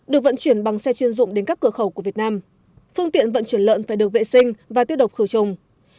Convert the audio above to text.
được vận chuyển bằng xe chuyên dụng đến các cửa khẩu của việt nam phương tiện vận chuyển lợn phải được vệ sinh và tiêu độc khử trùng